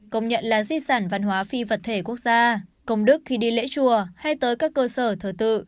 công nhận là di sản văn hóa phi vật thể quốc gia công đức khi đi lễ chùa hay tới các cơ sở thờ tự